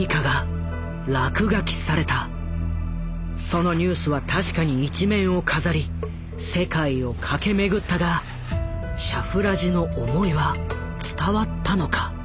そのニュースは確かに一面を飾り世界を駆け巡ったがシャフラジの思いは伝わったのか？